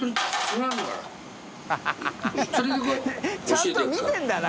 ちゃんと見てるんだな！